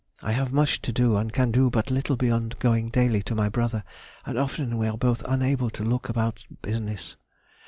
I have much to do and can do but little beyond going daily to my brother, and often we are both unable to look about business.